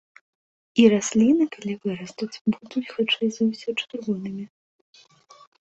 І расліны, калі вырастуць, будуць хутчэй за ўсё чырвонымі.